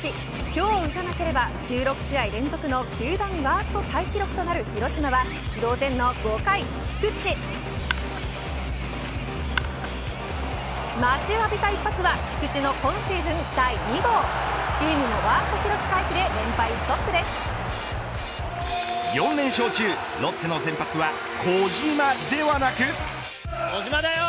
今日打たなければ１６試合連続の球団ワーストタイ記録となる広島は同点の５回、菊池。待ちわびた一発は菊池の今シーズン第２号チームのワースト記録回避で４連勝中、ロッテの先発は小島ではなく。